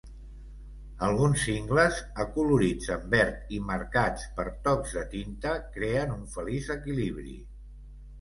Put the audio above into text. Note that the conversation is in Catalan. Alguns cingles, acolorits en verd i marcats per tocs de tinta, creen un feliç equilibri.